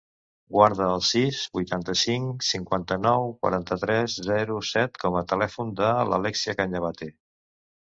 Guarda el sis, vuitanta-cinc, cinquanta-nou, quaranta-tres, zero, set com a telèfon de l'Alèxia Cañavate.